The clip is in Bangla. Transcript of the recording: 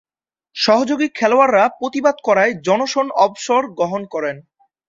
সহযোগী খেলোয়াড়রা প্রতিবাদ করায় জনসন অবসর গ্রহণ করেন।